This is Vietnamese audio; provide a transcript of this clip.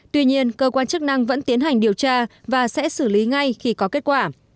tuy nhiên cơ quan chức năng vẫn tiến hành điều tra và sẽ xử lý ngay khi có kết quả